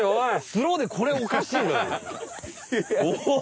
スローでこれおかしいだろ。